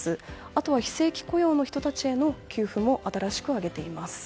あとは非正規雇用の人たちへの給付も新しく挙げています。